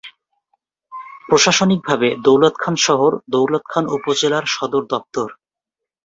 প্রশাসনিক ভাবে দৌলতখান শহর দৌলতখান উপজেলার সদর দফতর।